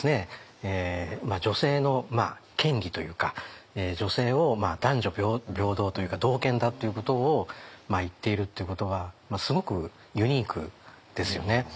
女性の権利というか女性を男女平等というか同権だっていうことを言っているってことはすごくユニークですよね。